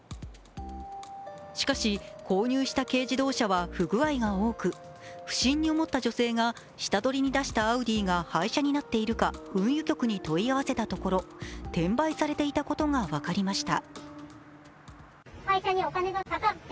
しかし、購入した軽自動車は不具合が多く、不審に思った女性が下取りに出したアウディが廃車になっているか運輸局に問い合わせたところ、転売されていたことが分かりました。